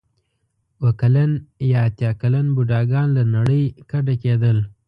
اوه کلن یا اتیا کلن بوډاګان له نړۍ کډه کېدل.